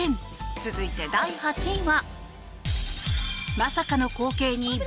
続いて、第８位は。